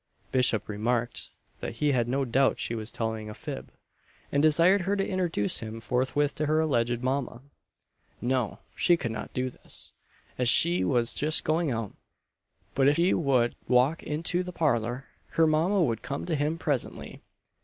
Bishop remarked that he had no doubt she was telling a fib, and desired her to introduce him forthwith to her alleged mama. No; she could not do this, as she was just going out; but if he would walk into the parlour, her mama would come to him presently.